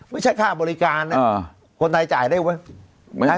ไม่ใช่ค่าบริการน่ะเออคนไทยจ่ายได้ไว้ไม่ได้